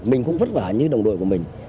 mình cũng vất vả như đồng đội của mình